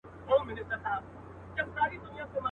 چي خپل مُلا چي خپل لښکر او پاچا ولټوو.